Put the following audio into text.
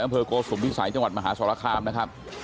อำเภอโกศุมิสัยจังหวัดมหาสวครามนะครับ